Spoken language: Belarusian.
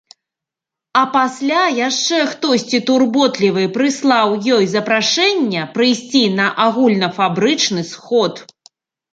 А пасля яшчэ хтосьці турботлівы прыслаў ёй запрашэнне прыйсці на агульнафабрычны сход.